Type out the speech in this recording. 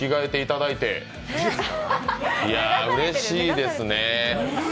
うれしいですね。